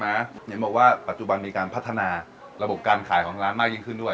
เห็นบอกว่าปัจจุบันมีการพัฒนาระบบการขายของร้านมากยิ่งขึ้นด้วย